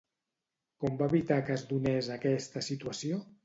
Com va evitar que es donés aquesta situació?